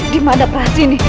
di mana prasini